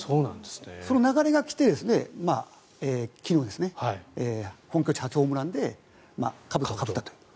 その流れが来て昨日、本拠地初ホームランでかぶとをかぶったという。